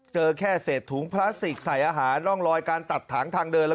เจอแค่เศษถุงพลาสติกใส่อาหารร่องรอยการตัดถังทางเดิน